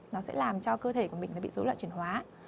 nó sẽ làm cho cơ thể của mình bị dấu loại chuyển hóa